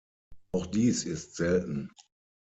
Auch dies ist selten.